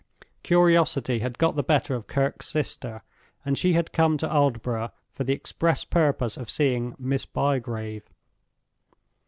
Curiosity had got the better of Kirke's sister, and she had come to Aldborough for the express purpose of seeing Miss Bygrave.